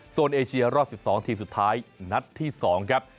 ส่วนเอเชียรอบ๑๒ทีมสุดท้ายนัดที่๒ครับ